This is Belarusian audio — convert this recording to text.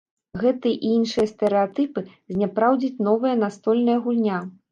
Гэтыя і іншыя стэрэатыпы зняпраўдзіць новая настольная гульня.